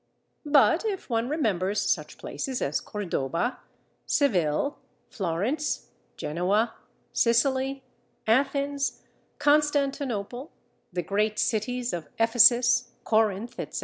But if one remembers such places as Cordoba, Seville, Florence, Genoa, Sicily, Athens, Constantinople, the great cities of Ephesus, Corinth, etc.